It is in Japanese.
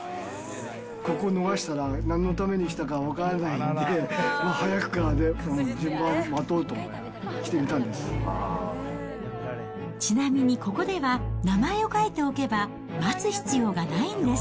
ここを逃したら、なんのために来たか分からないんで、早くからで、順番を待とうとちなみにここでは、名前を書いておけば、待つ必要がないんです。